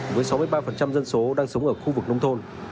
với sáu mươi ba dân số đang sống ở khu vực nông thôn